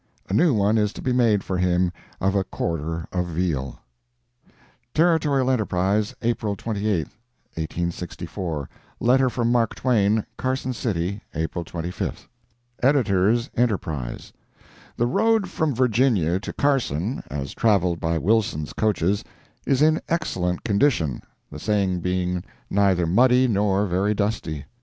A new one is to be made for him of a quarter of veal. Territorial Enterprise, April 28, 1864 LETTER FROM MARK TWAIN Carson City, April 25 EDS. ENTERPRISE: The road from Virginia to Carson—as traveled by Wilson's coaches—is in excellent condition, the same being neither muddy nor very dusty.